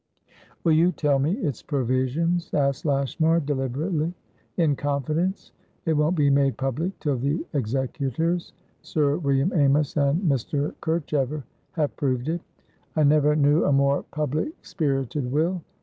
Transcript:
"Will you tell me its provisions?" asked Lashmar, deliberately. "In confidence. It won't be made public till the executorsSir William Amys and Mr. Kercheverhave proved it. I never knew a more public spirited will.